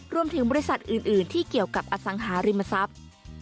รวมถึงบริษัทอื่นที่เกี่ยวกับอสังหาริมทรัพย์